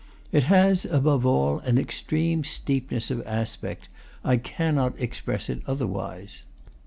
It has, above all, an extreme steepness of aspect; I cannot express it otherwise.